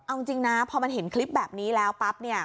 เอาจริงนะพอมันเห็นคลิปแบบนี้แล้วปั๊บเนี่ย